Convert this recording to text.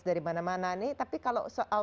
dari mana mana nih tapi kalau soal